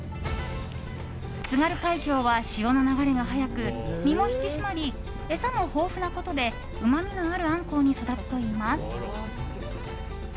津軽海峡は潮の流れが速く身も引き締まり餌も豊富なことでうまみのあるアンコウに育つといいます。